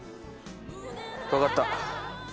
分かった。